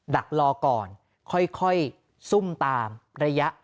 ดักรอก่อนค่อยซุ่มตามระยะ